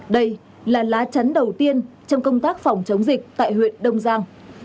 đây là lá chắn đầu tiên trong công tác phòng chống dịch tại huyện đông giang